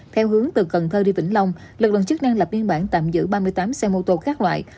theo hướng từ cần thơ đi vĩnh long lực lượng chức năng lập biên bản tạm giữ ba mươi tám xe mô tô các loại